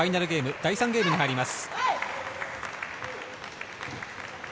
第３ゲームに入ります。